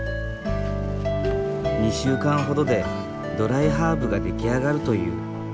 ２週間ほどでドライハーブが出来上がるという。